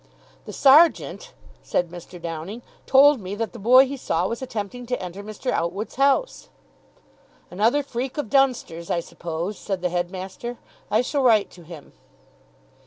"The sergeant," said Mr. Downing, "told me that the boy he saw was attempting to enter Mr. Outwood's house." "Another freak of Dunster's, I suppose," said the headmaster. "I shall write to him."